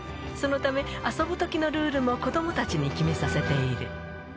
そのため、遊ぶときのルールも子どもたちに決めさせている。